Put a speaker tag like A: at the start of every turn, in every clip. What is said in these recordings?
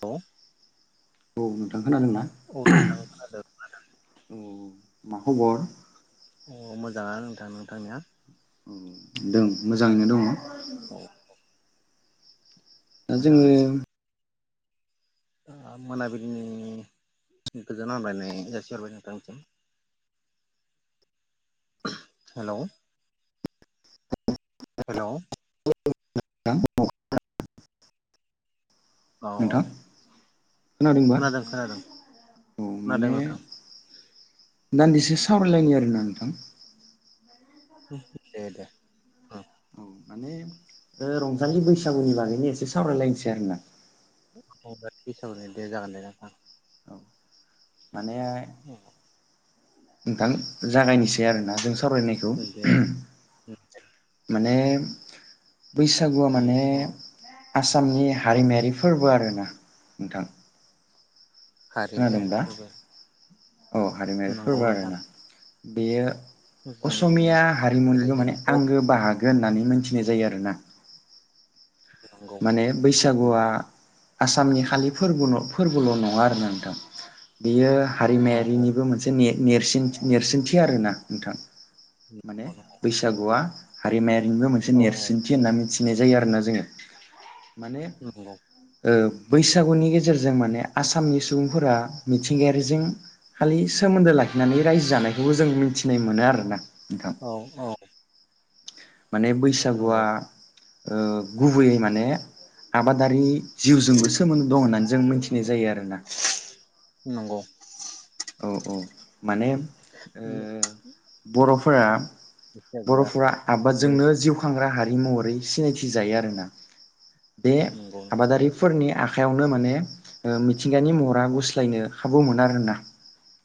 A: औ
B: औ नोंथां खोनादोंना
A: औ नोंथां खोनादो
B: माखबर
A: अ मोजाङा नोंथां नोंथांनिया
B: औ दों मोजाङैनो दङ
A: [unintelligible]
B: दा जोङो
A: मोजाङानो ओ मोनाबिलिनि गोजोन हामलायनाय जासिहरबाय नोंथांसिम [unintelligible] हेल हेल
B: [unintelligible]
A: औ औ
B: नोंथां खोनादोंबा
A: खोनादों खोनादों
B: औ
A: खोनादों
B: माने
A: नोंथां
B: दान्दिसे स सावरायलायनि आरो ना नोंथां
A: दे दे औ
B: औ माने ओ रंजालि बैसागुनि बागैनो एसे सावरायलायनोसै आरोना
A: [unintelligible] दे जागोन दे नोंथां
B: औ माने नोंथां जागायनोसै [unintelligible] आरो ना जों सावरायनायखौ ओम
A: दे
B: माने [inaudible] बैसागुआ माने
A: जोंनियाथ'
B: आसामनि हारिमायारि फोरबो आरोना नोंथां खोनादों
A: हारिमायारि
B: दा
A: फोरबो
B: औ हारिमायारि
A: नंगौ
B: फोरबो
A: नोंथां
B: आरोना बेयो
A: जोंनि
B: असमिया हारिमुनिबो
A: रायजो
B: माने
A: बेखौ
B: आंगो बाहागो होननानै मोनथिनाय जायो आरोना
A: नंगौ
B: माने बैसागुआ आसामनि खालि फोरबोल फोरबोल नङा आरो ना नोंथां बियो
A: औ
B: हारिमायारिनिबो मोनसे ने नेर्सिन नेर्सोनथि आरोना नोंथां माने
A: औ
B: बैसागुआ हारिमाया नुनो मोनसे
A: औ
B: नेरसोनथि होनना मिथि फिनाय जायो आरोना जोङो। माने
A: नंगौ
B: ओ बैसागुनि गेजेरजों माने आसामनि सुबुंफोरा मिथिंगायारिजों खालि सोमोन्दो लाखि होननानै रायजो जानायखौबो जों मिथिनाय मोनो आरोना। नोंथां
A: औ औ।
B: माने बैसागुआ
A: नंगौ
B: ओ गुबैयै माने आबादारि जिउजोंबो सोमोन्दो दं होननानै जों मिथिनाय जायो आरोना।
A: नंगौ
B: ओम ओम माने ओ बर'फोरा
A: बैसागोआ
B: बर'फोरा
A: बै
B: आबादजोंनो जिउ खांग्रा हा हारि महरै सिनायथि जायो आरोना। बे
A: नंगौ नोंथां
B: आबादारिफोरनि आ आखायावनो माने ओ मि थिंगानि महरा
A: औ
B: गुस्लायनो खाबु मोनो आरोना।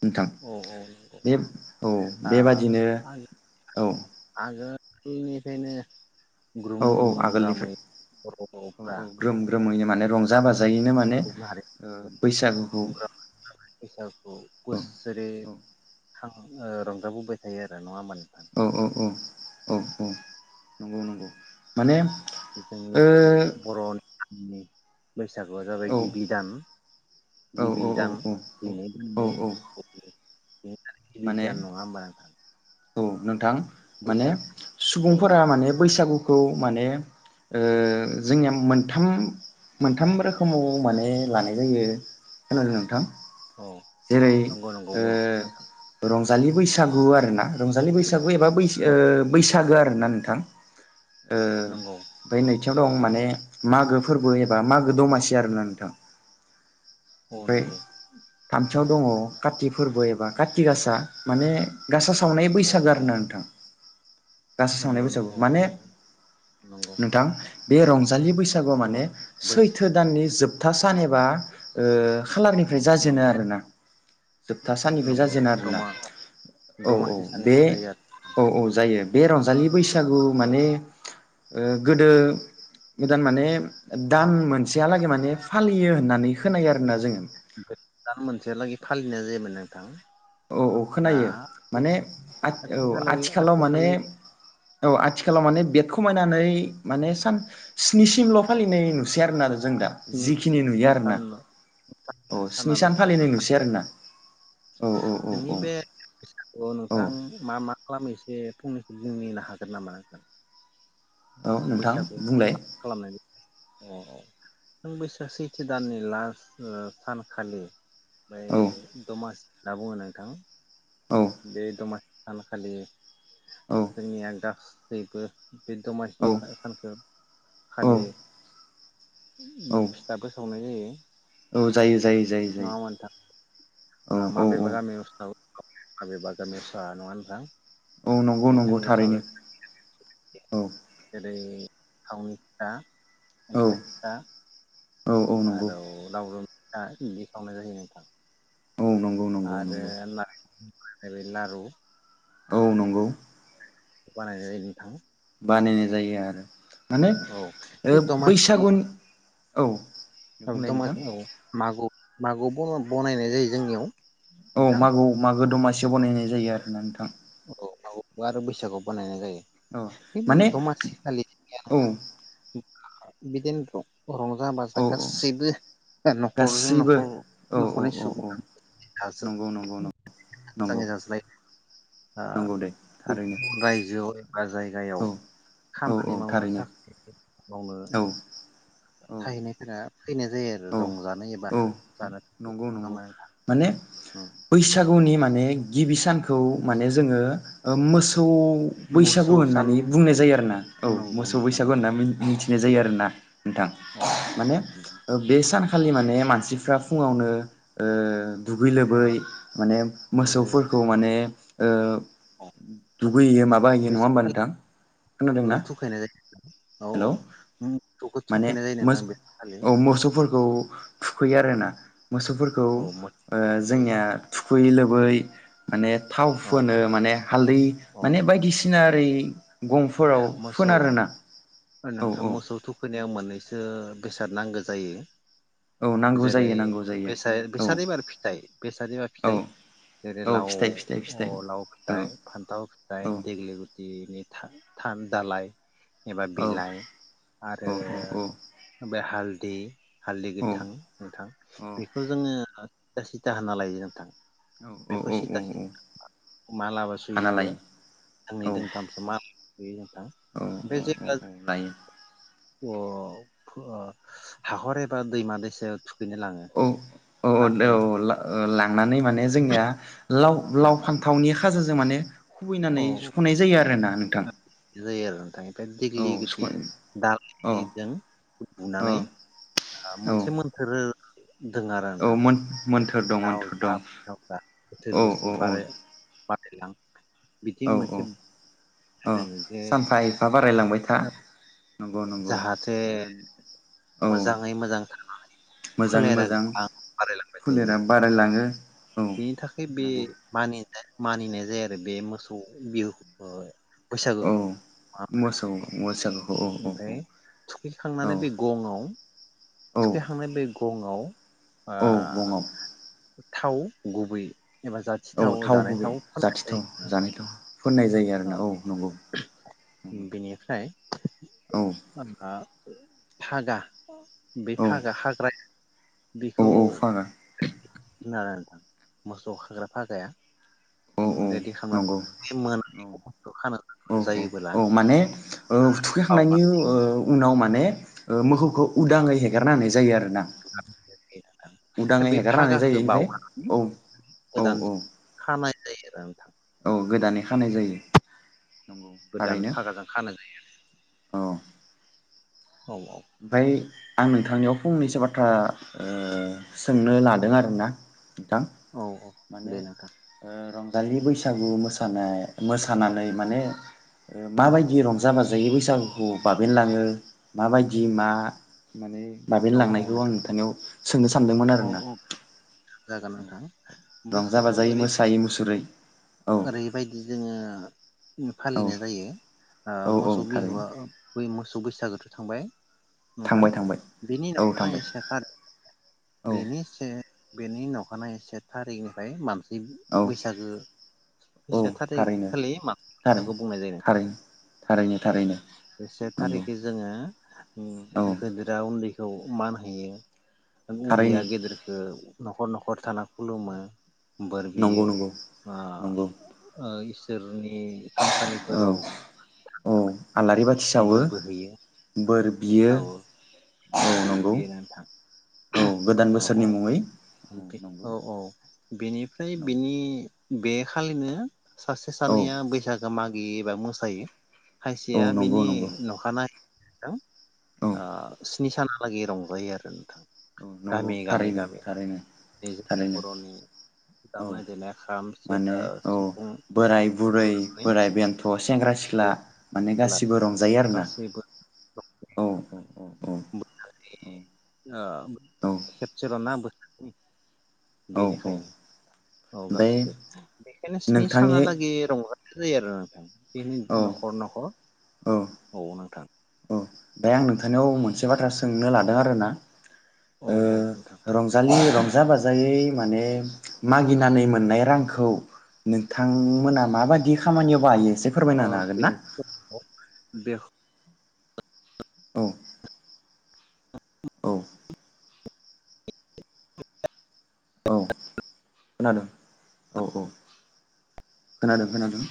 B: नोंथां
A: औ औ नंगौ
B: बे औ
A: आ
B: बेबादिनो औ।
A: निफायनो
B: औ औ आगोलनिफ्राय औ
A: बर'फ्रा
B: औ ग्रोम ग्रोमैनो माने रंजा बाजायैनो माने ओ
A: ग्रुम
B: बैसागुखौ
A: ग्रामै बैसागुखौ
B: औ
A: बोसोरै
B: औ।
A: खां ओ रंजाबोबाय थायो आरो। नङा होमबा नोंथां
B: ओम ओम ओम ओम ओम। नंगौ नंगौ माने
A: जोंनि बर'
B: ओ
A: बर'नि नि बैसागुआ जाबाय
B: औ
A: गिबि दान
B: औ औ
A: गिबि दान
B: औ औ
A: दिन
B: औ
A: [unintelligible]
B: माने
A: बिगियान नङा होम्बा?
B: औ नोंथां। माने
A: औ
B: सुबुंफोरा माने बैसागु खौ माने ओ जोंनिया मोनथाम मोनथाम रोखोमाव माने लानाय जायो होनदों नोंथां।
A: औ
B: जेरै
A: नंगौ नंगौ बुं नोंथां
B: ओ रं जालि बैसागु आरोना। रंजालि बैसागु एबा ओ बैसो
A: औ
B: बैसागो आरोना नोंथां। ओ
A: नंगौ
B: फाय नैथियाव दं माने मागो फोरबो एबा मागो दमासि आरोना नोंथां
A: अ
B: ओमफ्राय
A: नंगौ
B: थामथियाव दङ काति फोरबो एबा कातिक गासा माने गासा सावनाय
A: औ
B: बैसागो
A: औ
B: आरोना नोंथां गासै सावनाय
A: नंगौ
B: बैसागु
A: नंगौ
B: माने
A: नंगौ नंगौ
B: नोंथां बे रंजालि बैस
A: नंगौ
B: माने
A: बै
B: सैथो दाननि जोब था सान एबा ओ खालारनिफ्राय जाजेनो
A: नंगौ
B: आरोना जोबथा साननिफ्राय
A: नंगौ
B: जाजेनो आरोना
A: दमा
B: औ-औ
A: दमासि साननि
B: बे
A: थाखाय
B: औ-औ जायो बे रंजालि बैसो सागु
A: आरो औ
B: माने ओ गोदो गोदान माने दाम मोन सेहालागै माने फालियो होननानै खोनायो आरोना जोङो
A: दां
B: औ औ खोनायो माने औ
A: आथिखालै
B: आथिखालाव माने
A: आथिखालनि
B: औ आथिखालाव माने बेद खमायनानै माने सान स्निसिमल फालिनाय नु नुसै आरोना जों दा
A: स्नि
B: जिखिनि नुयो
A: स्नि
B: आरोना
A: सान
B: औ स्नि सान
A: सानालासेल'सो
B: फालिनाय नुसै
A: फालिया
B: आरोना औ औ औ
A: जोंनि बे फैसाखौ
B: औ
A: नोंथां मा मा खालामो एसे [unintelligible] हागोन नामा नोंथां
B: औ नोंथां
A: बैसागु
B: बुंलाय
A: खालामनायनि औ औ नों बैसाक सेैथो दाननि लास्ट ओ सानखालि ओमफाय
B: औ
A: दमास दा बुङो नोंथां
B: औ
A: बे दमासि सानखालि जोंनिया गासैबो बे
B: औ
A: दमासि सानखौ
B: औ
A: खालि
B: औ
A: उम फिथाबो सावनाय जायो
B: औ जायो जायो जायो
A: नङा
B: जायो
A: होनबा
B: औ
A: नोंथां
B: औ औ
A: माबेबा गामिआव ओनसोलाव आ माबेबा। सा नङा नोंथां
B: औ नंगौ नंगौ
A: जोंनियाव सावो
B: थारैनो औ
A: थावनिफ्रा
B: औ
A: [unintelligible]
B: औ औ नंगौ
A: आरौ लावदुम, ओ इदि संनाय जायो नोंथां,
B: औ नंगौ नंगौ नंगौ
A: नैबे लारु
B: औ नंगौ
A: अवान हायद्रेहाय नोंथां
B: बानायनाय जायो आरो माने
A: औ बे
B: ओ बैसागुनि औ
A: औ
B: बुंलाय नोंथां
A: दमासि औ मागु मागो आव बन बनायनाय जायो जोंनियाव,
B: औ
A: नोंथां
B: मागौ आव मागो दमासि, से बनायनाय जायो आरोना नोंथां,
A: औ मागोआव आरो बैसागुआव बानायनाय जायो,
B: औ
A: बे
B: माने औ
A: बिदिनोथ' रंजा बाजा
B: औ
A: गासैबो, न'खरजों
B: गासैबो
A: न'खर
B: औ औ
A: न'खरनि
B: औ औ
A: सुबुंआ
B: नंगौ नंगौ नंगौ नंगौ
A: मोजाङै रायज्लायो, आ
B: नंगौ दे थारैनो
A: गुबुन रायजोआव बा जायगायाव
B: औ औ औ
A: खामानि मावनो
B: थारैनो
A: थाखाय मावनो
B: औ औ
A: थाहैनायफोरा फैनाय जायो आरो
B: औ
A: रंजानो एबा
B: औ
A: जानो थाखाय नङा होमबा नोंथां, उम
B: बैसाग गौनि माने गिबि सानखौ माने जोङो मोसौ खै बैसागु
A: मोसौ सान
B: होननानै बुंनाय जायो आरो ना औ
A: नंगौ
B: मोसौ
A: नोंथां
B: बैसागु
A: नंगौ
B: होनना मिथि, बिनाय जायो आरो ना, नोंथां
A: औ
B: माने,
A: उम
B: बे सानखालि माने मानसिफ्रा फुङावनो ओ दुगै लोबै
A: ओ
B: माने
A: बैयाव
B: मोसौफोरखौ माने, ओ
A: औ
B: दुगैहैयो माबाहैयो
A: बै
B: नङा होमबा
A: सान
B: नोंथां खोनादोंना
A: खालि थुखायनाय जायो औ औ
B: हेलौ
A: मोसौखौ
B: माने
A: थुखायनाय जायो
B: मोस
A: नोंथां बे सानखालि
B: औ मोसौफोरखौ थुखैयो आरोना, मोसौफोरखौ
A: औ
B: ओ
A: जायो
B: जोंनिया थु खैयै लोबै माने थाव
A: औ
B: फोनो माने हालदै
A: औ
B: माने बायदिसिना ओइ गंफोराव
A: मोसौ
B: फोनोआरोना औ औ
A: सो बेसाद नांगौ
B: औ
A: जायो
B: नांगौ
A: जेरै
B: जायो नांगौ जायो औ
A: बेस-बेसादेबारि फिथाइ बेसादेबार
B: औ
A: फिथाइ जेरै
B: औ
A: लाव
B: फिथाइ फिथाइ फिथाइ
A: लाव
B: औ
A: फिथाइ फान्थाव
B: औ
A: फिथाइ देग्लि लिटिनि था थान दालाय एबा
B: औ
A: बिलाइ
B: औ
A: आरो बे हालदै हालदै
B: औ
A: गोथां नथां
B: औ
A: बेखौ जोङो था सिथा होना लायो जों नोंथां बेखौ सिथा
B: औ
A: सिथा मालाबो
B: हाना
A: सुयैखौ
B: लायो
A: दोंनै
B: औ
A: दोंथामसो माल
B: औ औ औ औ लायो
A: अ अ हाखर एबा दैमा दैसायाव थुखैनो लाङो
B: औ औ दे
A: लांफायो
B: औ ला ओ लांनानै माने जोंनिया लाव लाव
A: लाङो
B: फान्थावनि खाजजों माने
A: औ
B: खुबैनानै सुखनाय जायो आरोना नोंथां
A: ओमफाय बे
B: औ
A: देग्लि गिदि
B: सुख' औ
A: दालिजों
B: औ
A: बुनानै
B: औ
A: मोनसे मोन्थोरो दों आरो
B: औ
A: नोंथां
B: मोन्थोर दं
A: लाव
B: मोन्थोर दं
A: जा फान्थाव जा बोथोर
B: औ औ
A: बोसोर
B: औ
A: बाराय बारायलां बिदि
B: औ औ
A: मोनसे
B: औ
A: दोङो जे
B: सानफा एफा बारायलांबाय था नंगौ नंगौ
A: जाहाथे
B: औ
A: मोजाङै मोजां
B: मोजाङै
A: फोलेरा
B: मोजां
A: गोबां बारायलांबाय थायो
B: फोलेरा बाराय लां ङो
A: बेनि थाखाय बे मानि मानिनाय जायो आरो बे मोसौ बिहु ओ
B: औ
A: बैसागोखौ
B: मोसौ मोसाखौ औ औ
A: ओमफ्राय
B: औ
A: थुखैखांनानै बे गंआव
B: औ
A: थुखैखांनानै बे गंआव आ
B: औ गङाव
A: थाव गुबै
B: औ थाव
A: जानाय
B: गुबै
A: फोननाय
B: जाथिथाव
A: जायो
B: जानायथाव फोननाय जायो आरोना औ नंगौ
A: बेनिफ्राय
B: औ।
A: माबा फागा बे
B: औ
A: खाग्रा हाग्रा
B: औ
A: बेखौ
B: औ फागा
A: ना मोसौ खाग्रा फागाया।
B: औ औ
A: रेडि
B: नंगौ
A: खालामनानै बे मोनायाव मोसौ खानो
B: औ औ
A: जायोबोला
B: औ माने ओ थुखैखांनायनि
A: बावनानै
B: ओ उनाव मान ने ओ मोखौखौ उदाङै हेगारना होनाय जायो आरो।
A: ओ बे
B: हेगारना होनाय
A: फागाखौ
B: जायो
A: बावखांनानै
B: ओमफ्राय औ
A: गोदान
B: औ
A: खानाय जायोना नोंथां?
B: औ गोदानै खानाय जायो। नंगौ
A: गोदान
B: थारैनो।
A: फागाजों खानाय
B: अ
A: [unintelligible]
B: ओमफाय आं नोंथांनियाव फंनैसो बाथ्रा ओ सोंनो लादों आरोना थां
A: औ औ
B: माने
A: दे नोंथां
B: ओ रं दानि बैसागु मोसानाय मोसानानै माने ओ
A: औ
B: माबायदि रंजा बाजा बाजायो बैसागुखौ बाबेनलाङो माबायद दिमा मा माने बाबेन
A: औ औ
B: लांनायखौ आं
A: नोंथां
B: नोंथांनियाव सोंनो सा
A: औ औ जागोन नोंथां
B: रंजा
A: बैसागुआव
B: बाजायै
A: ओरैबायदि
B: मोसायै मुसुरै औ
A: ओरैबायदि जोङो। उम
B: औ
A: फालिनाय जायो।
B: औ
A: ओ
B: औ
A: मोसौ
B: थारैनो
A: बिहुआ ओ मोसौ बैसागोआथ थांबाय। नोंथां
B: थांबाय थांबाय
A: बेनि
B: औ
A: नखानायै
B: थांबाय
A: से टार
B: औ
A: बेनि से बेनि न अखानायै से टारिखनिफ्राय मानस इब
B: औ
A: बैसागो
B: औ
A: से थारिख
B: थारैनो
A: खालि मा
B: थारै
A: बैसागो बुंनाय जायो
B: थारैनो थारैनो थारैनो
A: अ से
B: नंगौ
A: थारिखै जोङो
B: औ
A: उम गोदोरा उन्दै खौ मान होयो। उदैया
B: थारैनो
A: गिदिरखो नखर नखर थाना खुलुमो। बोर बियो
B: नंगौ नंगौ
A: बा
B: नंगौ
A: ओ इस जेरनि नि
B: औ
A: थानसालिफोराव ओ
B: औ आलारि बाथि सावो
A: बोरबो होयो।
B: बोर बियो
A: [unintelligible] औ
B: नंगौ औ गोदान बोसोरनि मुङै औ नंगौ
A: औ बेनिफ्राय
B: औ
A: बिनि बे खालिनो सासे
B: औ
A: सानैया बैसागो माग एबा मोसायो
B: औ
A: खायसेया
B: नंगौ
A: बिनि
B: नंगौ
A: नखानाय हेलौ
B: औ
A: आ स्नि सानहा लागै रंजायो आरो नोंथां
B: औ नंगौ
A: गामि गामि
B: थारैनो
A: गामि
B: थारैनो
A: नि जोंनि
B: थारैनो
A: बर'नि
B: औ
A: दामनाय देनाय खाम
B: माने
A: सेरजा
B: औ
A: सिफुंखौ
B: बोराय बुरै
A: लानानै
B: बोराय बेन्थ सेंग्रा सिख्ला माने गासिबो रंजायो आरोना
A: गासैबो
B: औ औ औ औ
A: [unintelligible]
B: औ
A: खेबसेल ना बोरायनि बेनिखायनो
B: ओमफ्राय
A: औ गासिबो बेखायनो स्नि
B: नोंथांनि
A: सानहालागै रंजा [unintelligible] आरो नोथां बेनि
B: औ
A: नखर नखर औ नोंथां
B: दायो आं नोंथांनियाव मोनसे बाथ्रा सोंनो लादों आरोना
A: औ
B: ओ
A: औ नोंथां
B: रंजालि रंजा बाजायै माने मागिनानै मोननाय रांखौ नोंथांमोना माबायदि खामानियाव बाहायो। एसे फोरमायना होनो हागोन ना
A: बेख
B: औ औ
A: [inaudible]
B: औ खोनादों औ औ खोनादों खोनादों